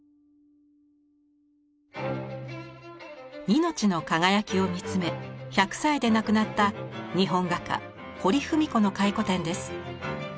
命の輝きを見つめ１００歳で亡くなった日本画家堀文子の回顧展です。